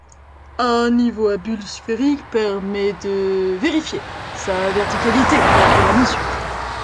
Un niveau à bulle sphérique permet de vérifier sa verticalité lors de la mesure.